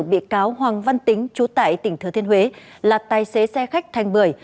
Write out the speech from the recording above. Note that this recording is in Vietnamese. bị cáo hoàng văn tính chú tại tỉnh thừa thiên huế là tài xế xe khách thành bưởi